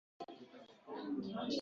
Uchrashdik, bir-birimizga yoqdik